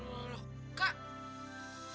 mudah mudahan gak ada apa apa